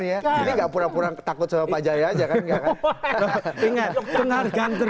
ini enggak pura pura takut sama pak jaya aja kan enggak kan